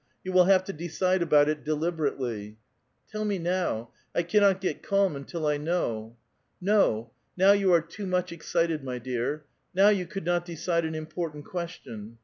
You will have to decide about it deliberately." '* Tell me now ! 1 cannot get calm until 1 know." '^ No ! now you are too much excited, my dear. Now you could not decide an important question.